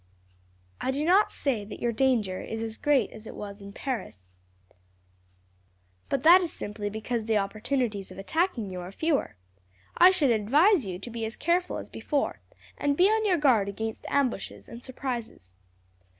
I do not say that your danger is as great as it was in Paris, but that is simply because the opportunities of attacking you are fewer. I should advise you to be as careful as before, and to be on your guard against ambushes and surprises."